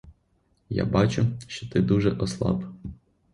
Я бачу, що ти дуже ослаб.